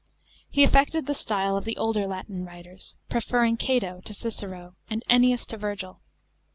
He affected the style of the older Latin writers, pre ferring Cato to Cicero and Ennius to Virgil.